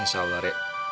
insya allah re